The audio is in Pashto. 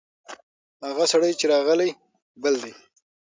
هغه سړی چې راغلی، بل دی.